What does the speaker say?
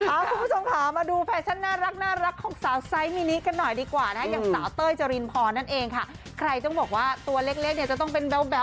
ขอบคุณผู้ชมมาดูแฟชั่นน่ารักของสาวไซน์มินิกันหน่อยดีกว่านะฮะ